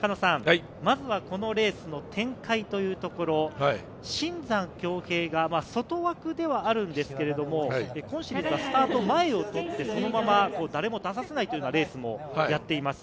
まずはこのレースの展開というところ、新山響平が、外枠ではあるんですが、スタート前、そのまま誰も出させないというようなレースもやっています。